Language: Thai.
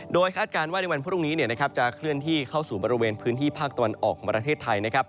โดยคาดการณ์ว่าในวันพรุ่งนี้จะเคลื่อนที่เข้าสู่บริเวณพื้นที่ภาคตะวันออกของประเทศไทยนะครับ